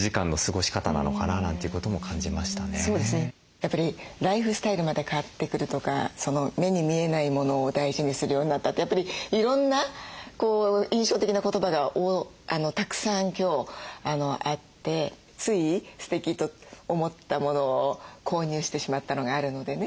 やっぱりライフスタイルまで変わってくるとか目に見えないモノを大事にするようになったってやっぱりいろんな印象的な言葉がたくさん今日あってついすてきと思ったモノを購入してしまったのがあるのでね。